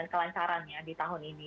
kelancarannya di tahun ini